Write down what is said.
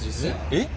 えっ？